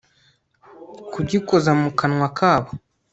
kugikoza mu kanwa kabo